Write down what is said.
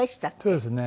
そうですね。